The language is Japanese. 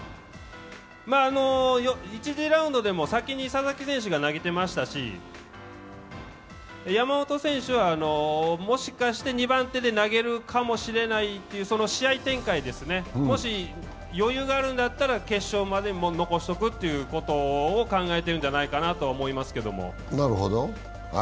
１次ラウンドでも先に佐々木選手が投げてましたし山本選手は、もしかして２番手で投げるかもしれないという試合展開ですよね、もし余裕があるんだったら決勝まで残しとくということを考えてるんじゃないかと思います。